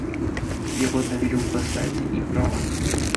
Яго аднавілі ў пасадзе і правах.